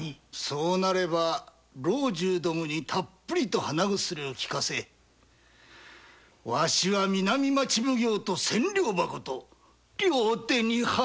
そうなれば老中どもにたっぷりと鼻薬を効かせワシは南町奉行と千両箱と両手に花！